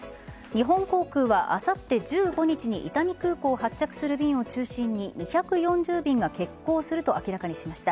日本航空はあさって１５日に伊丹空港を発着する便を中心に２４０便が欠航すると明らかにしました。